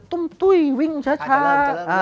ตุ้มตุ้ยวิ่งช้า